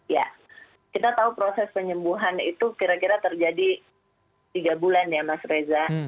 ya kita tahu proses penyembuhan itu kira kira terjadi tiga bulan ya mas reza